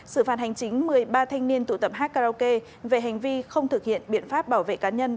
xử phạt hành chính một mươi ba thanh niên tụ tập hát karaoke về hành vi không thực hiện biện pháp bảo vệ cá nhân